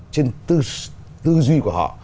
trên tư duy của họ